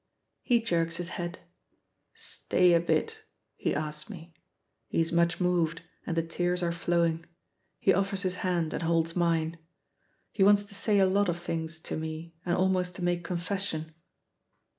He jerks his head. "Stay a bit," he asks me. He is much moved, and the tears are flowing. He offers his hand and holds mine. He wants to say a lot of things to me and almost to make confession.